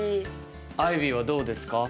アイビーはどうですか？